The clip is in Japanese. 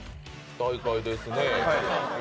大会ですね。